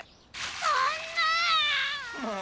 そんなぁ！